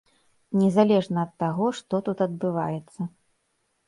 Незалежна ад таго, што тут адбываецца.